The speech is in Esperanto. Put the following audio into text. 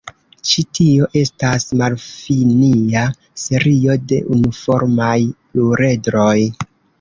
Ĉi tio estas malfinia serio de unuformaj pluredroj.